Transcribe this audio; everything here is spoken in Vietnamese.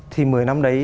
thì một mươi năm đấy